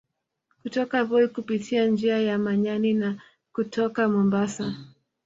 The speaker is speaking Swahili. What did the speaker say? Kutoka Voi kupitia njia ya Manyani na kutoka Mombasa